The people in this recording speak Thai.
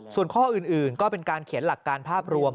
ส่วนข้ออื่นก็เป็นการเขียนหลักการภาพรวม